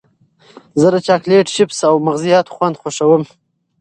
زه د چاکلېټ، چېپس او مغزیاتو خوند خوښوم.